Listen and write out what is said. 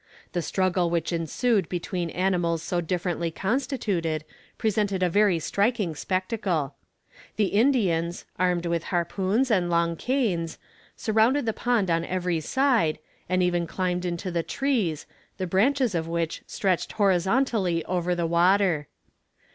The struggle which ensued between animals so differently constituted presented a very striking spectacle. The Indians, armed with harpoons and long canes, surrounded the pond on every side, and even climbed into the trees, the branches of which stretched horizontally over the water.